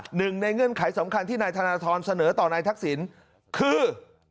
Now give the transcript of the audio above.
หนึ่งในเงื่อนไขสำคัญที่นายธนทรเสนอต่อนายทักษิณคือ